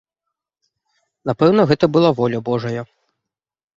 Напэўна, гэта была воля божая.